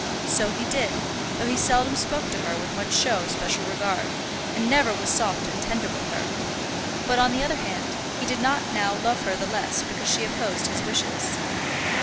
So he did, though he seldom spoke to her with much show of special regard, and never was soft and tender with her. But, on the other hand, he did not now love her the less because she opposed his wishes.